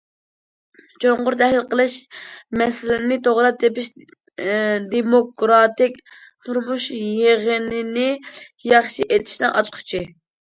چوڭقۇر تەھلىل قىلىش، مەسىلىنى توغرا تېپىش دېموكراتىك تۇرمۇش يىغىنىنى ياخشى ئېچىشنىڭ ئاچقۇچى.